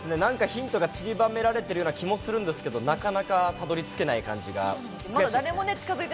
ヒントが散りばめられてるような気がするんですけど、なかなかたどり着けないような感じが。